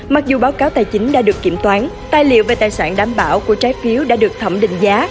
mặc dù báo cáo tài chính đã được kiểm toán tài liệu về tài sản đảm bảo của trái phiếu đã được thẩm định giá